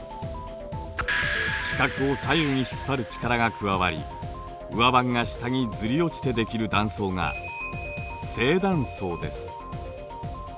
地殻を左右に引っ張る力が加わり上盤が下にずり落ちてできる断層が正断層です。